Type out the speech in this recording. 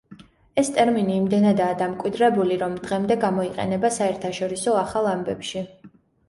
ეს ტერმინი იმდენადაა დამკვიდრებული, რომ დღემდე გამოიყენება საერთაშორისო ახალ ამბებში.